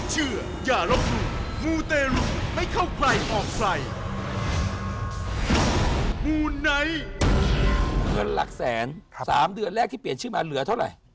เงินหลักแสนสามเดือนแรกที่เปลี่ยนชื่อมาเหลือเท่าไหร่